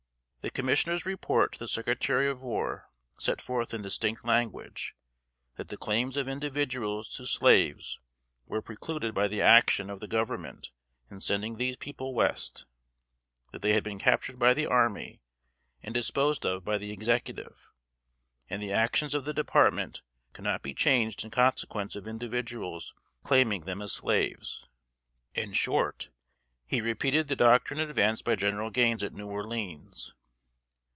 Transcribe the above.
The Commissioner's report to the Secretary of War set forth in distinct language, that the claims of individuals to slaves were precluded by the action of the Government in sending these people West; that they had been captured by the army and disposed of by the Executive, and the action of the Department could not be changed in consequence of individuals claiming them as slaves. In short, he repeated the doctrine advanced by General Gaines at New Orleans.